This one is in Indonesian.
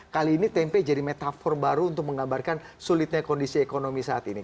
kali ini tempe jadi metafor baru untuk menggambarkan sulitnya kondisi ekonomi saat ini